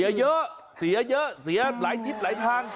เสียเยอะเสียเยอะเสียหลายทิศหลายทาง